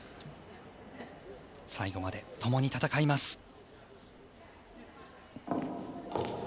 最後までともに戦います。